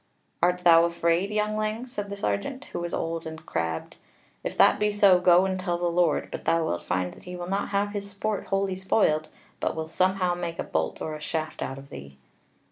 "Art thou afraid, youngling?" said the sergeant, who was old and crabbed, "if that be so, go and tell the Lord: but thou wilt find that he will not have his sport wholly spoiled, but will somehow make a bolt or a shaft out of thee."